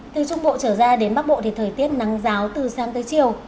thưa trung bộ trở ra đến bắc bộ thì thời tiết nắng ráo từ sáng tới chiều